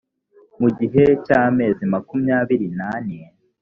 mu gihe cy amezi makumyabiri n ane